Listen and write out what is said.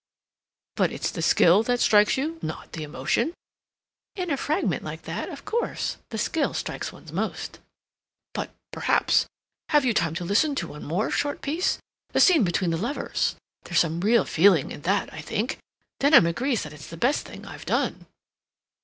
"But it's the skill that strikes you—not the emotion?" "In a fragment like that, of course, the skill strikes one most." "But perhaps—have you time to listen to one more short piece? the scene between the lovers? There's some real feeling in that, I think. Denham agrees that it's the best thing I've done."